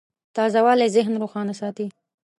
تازهوالی ذهن روښانه ساتي.